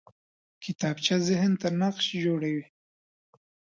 کتابچه ذهن ته نقش جوړوي